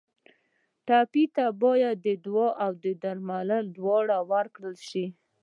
ټپي ته باید دعا او دوا دواړه ورکړل شي.